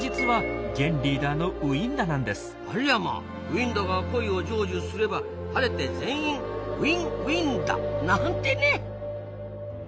ウィンダが恋を成就すれば晴れて全員ウィン・ウィンだ！なんてね。